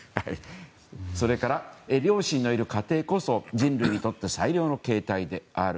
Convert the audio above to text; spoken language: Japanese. それから、両親のいる家庭こそ人類にとって最良の形態である。